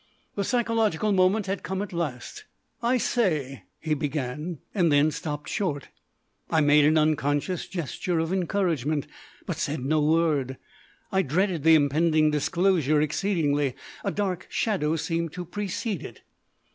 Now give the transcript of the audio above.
The psychological moment had come at last! "I say " he began, and then stopped short. I made an unconscious gesture of encouragement, but said no word. I dreaded the impending disclosure exceedingly. A dark shadow seemed to precede it.